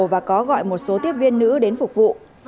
và có gọi một số tiếp viên nữ đến phục vụ